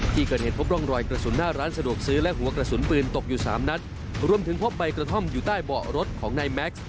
ที่เกิดเหตุพบร่องรอยกระสุนหน้าร้านสะดวกซื้อและหัวกระสุนปืนตกอยู่สามนัดรวมถึงพบใบกระท่อมอยู่ใต้เบาะรถของนายแม็กซ์